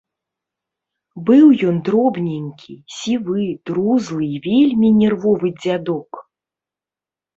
Быў ён дробненькі, сівы, друзлы і вельмі нервовы дзядок.